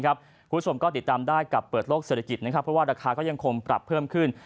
คุณผู้ชมก็ติดตามได้กับเปิดโลกเศรษฐกิจนะครับเพราะว่าราคาก็ยังคงปรับเพิ่มขึ้น